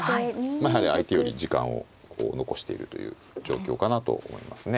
やはり相手より時間を残しているという状況かなと思いますね。